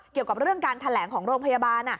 เกี่ยวกับเรื่องการแถลงของโรงพยาบาล